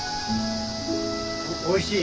おいしい！